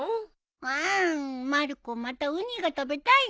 あんまる子またウニが食べたいんだよ。